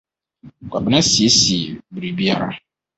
Kwabena siesiee biribiara.